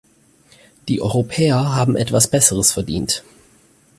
Die Europäer haben etwas Besseres verdient.